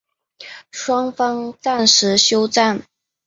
双方暂时休战。